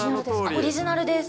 オリジナルです。